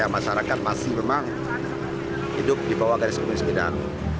masyarakat masih memang hidup di bawah garis kemiskinan